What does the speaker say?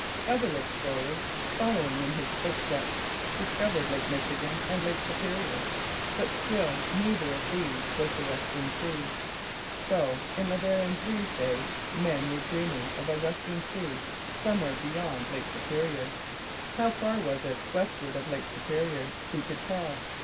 Other explorers, following in his footsteps, discovered Lake Michigan and Lake Superior; but still neither of these was the Western Sea. So, in La Vérendrye's day, men were dreaming of a Western Sea somewhere beyond Lake Superior. How far was it westward of Lake Superior? Who could tell?